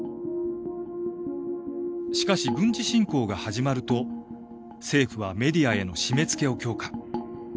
しかし軍事侵攻が始まると政府はメディアへの締め付けを強化。